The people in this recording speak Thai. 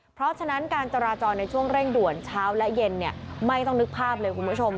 เพราะฉะนั้นการจราจรในช่วงเร่งด่วนเช้าและเย็นไม่ต้องนึกภาพเลยคุณผู้ชม